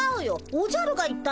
おじゃるが言ったんだよ。